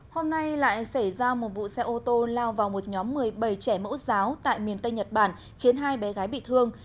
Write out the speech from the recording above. hôm nay lại xảy ra một vụ xe ô tô lao vào một nhóm một mươi bảy trẻ mẫu giáo tại miền tây nhật bản khiến hai bé gái bị thương